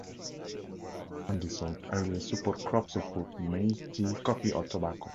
Other andisol areas support crops of fruit, maize, tea, coffee or tobacco.